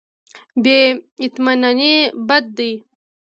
بې اطمیناني بد دی.